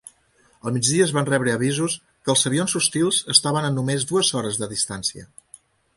Al migdia es van rebre avisos que els avions hostils estaven a només dues hores de distància.